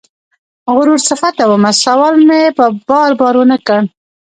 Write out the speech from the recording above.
غرور صفته ومه سوال مې په بار، بار ونه کړ